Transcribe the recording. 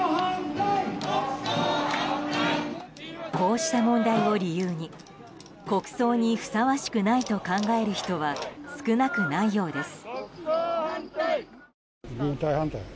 こうした問題を理由に国葬にふさわしくないと考える人は少なくないようです。